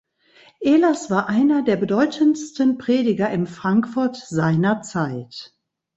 Ehlers war einer der bedeutendsten Prediger im Frankfurt seiner Zeit.